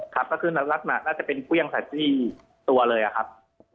ครับก็คือลักษณะน่าจะเป็นเครื่องตัดที่ตัวเลยอะครับ